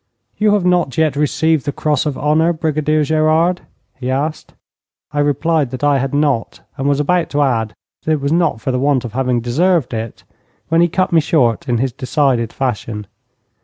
'You have not yet received the cross of honour, Brigadier Gerard?' he asked. I replied that I had not, and was about to add that it was not for want of having deserved it, when he cut me short in his decided fashion.